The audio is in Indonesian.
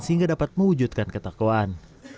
sehingga dapat mewujudkan ketakuan